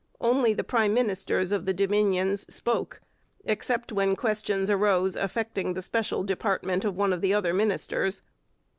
Only the prime ministers of the Dominions spoke, except when questions arose affecting the special department of one of the other ministers.